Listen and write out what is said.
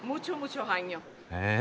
へえ。